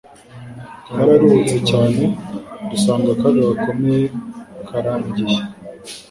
twararuhutse cyane dusanga akaga gakomeye karangiye